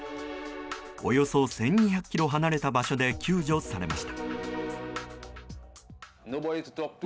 およそ１２００ｋｍ離れた場所で救助されました。